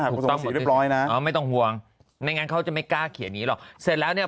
ถูกต้องนะไม่ต้องห่วงไม่งั้นเขาจะไม่กล้าเขียนนี้หรอกเสร็จแล้วเนี่ย